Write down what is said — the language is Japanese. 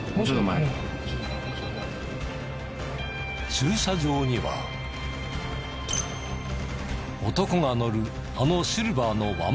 駐車場には男が乗るあのシルバーのワンボックス。